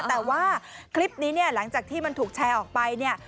แต่ว่าคลิปนี้หลังจากที่ถูกแชร์ออกไป